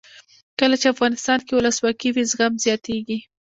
کله چې افغانستان کې ولسواکي وي زغم زیاتیږي.